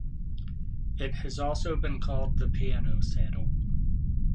It has also been called the Peano saddle.